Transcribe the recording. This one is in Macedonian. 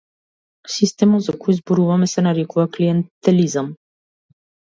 Системот за кој зборуваме се нарекува клиентелизам.